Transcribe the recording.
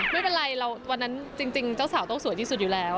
ไม่เป็นไรวันนั้นจริงเจ้าสาวต้องสวยที่สุดอยู่แล้ว